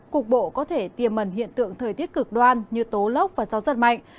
cục bộ có thể tiềm mẩn hiện tượng thời tiết cực đoan như tố lốc và gió giật mạnh